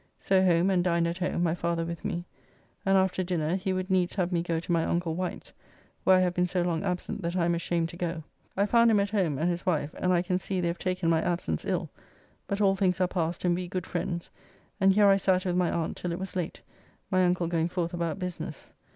So home, and dined at home, my father with me, and after dinner he would needs have me go to my uncle Wight's (where I have been so long absent that I am ashamed to go). I found him at home and his wife, and I can see they have taken my absence ill, but all things are past and we good friends, and here I sat with my aunt till it was late, my uncle going forth about business.